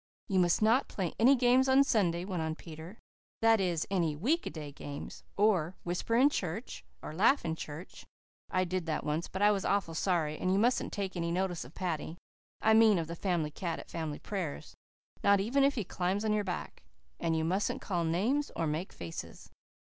"You must not play any games on Sunday," went on Peter, "that is, any week day games or whisper in church, or laugh in church I did that once but I was awful sorry and you mustn't take any notice of Paddy I mean of the family cat at family prayers, not even if he climbs up on your back. And you mustn't call names or make faces."